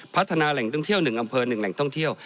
พัฒนาแหล่งท่องเที่ยว๑อำเภอ๑แหล่งท่องเที่ยว